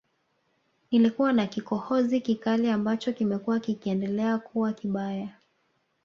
Nilikuwa na kikohozi kikali ambacho kimekuwa kikiendelea kuwa kibaya